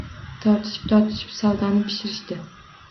Tortishib-tortishib, savdoni pishirishdi